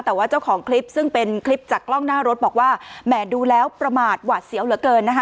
แต่ว่าเจ้าของคลิปซึ่งเป็นคลิปจากกล้องหน้ารถบอกว่าแหม่ดูแล้วประมาทหวาดเสียวเหลือเกินนะคะ